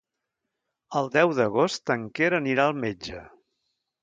El deu d'agost en Quer anirà al metge.